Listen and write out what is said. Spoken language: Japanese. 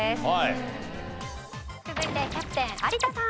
続いてキャプテン有田さん。